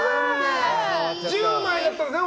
１０枚だったんですね